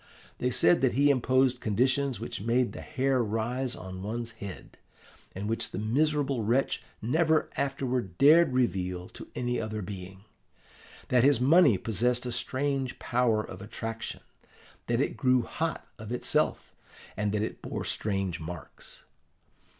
They said that he imposed conditions which made the hair rise on one's head, and which the miserable wretch never afterward dared reveal to any other being; that his money possessed a strange power of attraction; that it grew hot of itself, and that it bore strange marks.